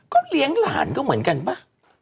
ก็เลี้ยงหลานก็เหมือนกันป่ะ